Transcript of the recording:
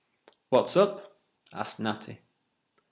"What's up?" asked Natty.